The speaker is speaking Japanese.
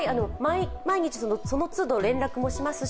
毎日その都度連絡もしますし